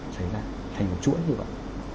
xảy ra thành một chuỗi như vậy